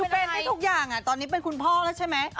คือเป็นได้ทุกอย่างตอนนี้เป็นคุณพ่อแล้วใช่ไหม